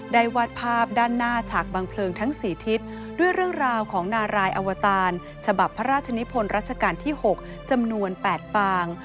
วาดภาพด้านหน้าฉากบางเพลิงทั้ง๔ทิศด้วยเรื่องราวของนารายอวตารฉบับพระราชนิพลรัชกาลที่๖จำนวน๘ปาง